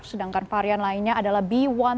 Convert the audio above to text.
sedangkan varian lainnya adalah b satu tiga lima